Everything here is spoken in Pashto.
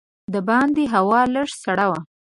د باندې هوا لږه سړه وه.